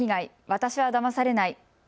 私はだまされない。